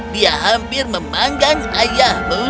dia hampir memanggang ayahmu